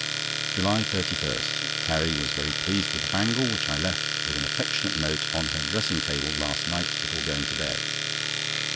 JULY 31.—Carrie was very pleased with the bangle, which I left with an affectionate note on her dressing table last night before going to bed.